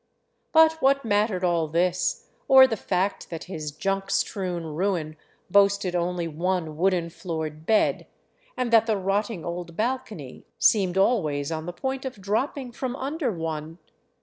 But what mattered all this, or the fact that his junk strewn ruin boasted only one wooden floored bed, and that the rotting old bal cony seemed always on the point of dropping from under one?